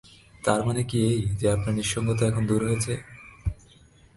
তার মানে কি এই যে আপনার নিঃসঙ্গতা এখন দূর হয়েছে?